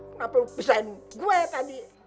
kenapa lu bisain gue tadi